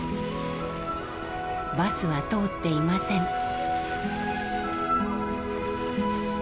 バスは通っていません。